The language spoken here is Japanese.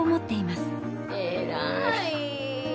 えらい！